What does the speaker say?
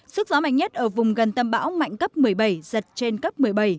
sức gió mạnh nhất ở vùng gần tâm bão mạnh cấp một mươi bảy giật trên cấp một mươi bảy